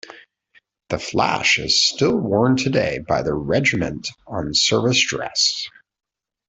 The flash is still worn today by the Regiment on Service Dress.